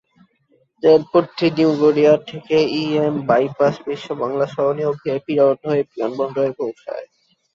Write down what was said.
রেলপথটি New Garia থেকে E M bypass, Biswa Bangla Sarani ও VIP road হয়ে বিমানবন্দরে পৌঁছায়।